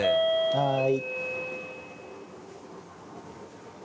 はい。